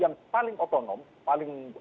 yang paling otonom artinya dalam mengambil keputusan